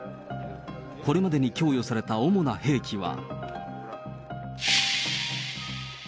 これまでに供与された主な兵器は。